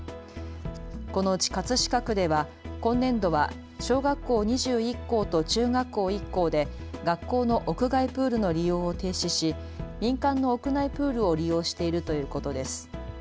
このうち葛飾区では今年度は小学校２１校と中学校１校で学校の屋外プールの利用を停止し民間の屋内プールを利用しているということです。